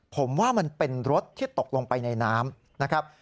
ผมว่ามันเป็นรถที่ตกลงไปในน้ำนะครับ